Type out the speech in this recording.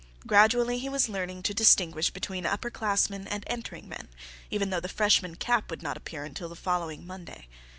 Gradually he was learning to distinguish between upper classmen and entering men, even though the freshman cap would not appear until the following Monday.